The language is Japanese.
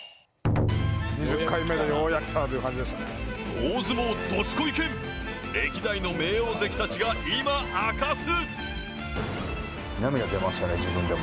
「大相撲どすこい研」歴代の名大関たちが今、明かす。